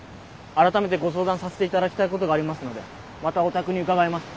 改めてご相談させていただきたいことがありますのでまたお宅に伺います。